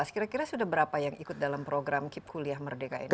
kira kira sudah berapa yang ikut dalam program kip kuliah merdeka ini